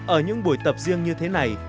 ở những buổi tập riêng như thế này